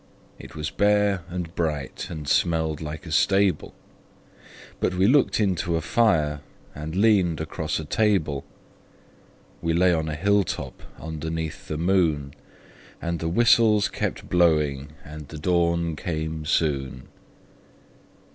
It was bare and bright, and smelled like a stable But we looked into a fire, we leaned across a table, We lay on a hilltop underneath the moon; And the whistles kept blowing, and the dawn came soon.